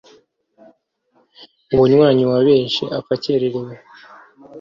Umunywanyi wa benshi apfa akererewe.